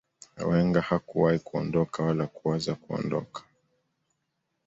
wenger hakuwahi kuondoka wala kuwaza kuondoka